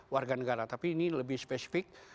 warga negara tapi ini lebih spesifik